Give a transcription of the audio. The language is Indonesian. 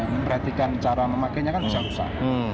mempraktikkan cara memakainya kan bisa susah